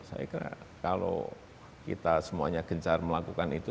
saya kira kalau kita semuanya gencar melakukan itu